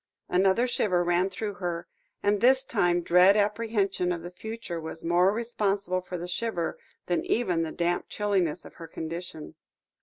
Another shiver ran through her, and this time dread apprehension of the future was more responsible for the shiver than even the damp chilliness of her condition.